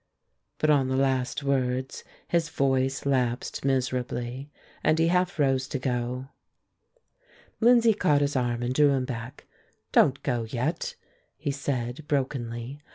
But on the last words his voice lapsed miserably, and he half rose to go. Lindsay caught his arm and drew him back. "Don't go yet," he said, brokenly.